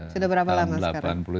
sudah berapa lama sekarang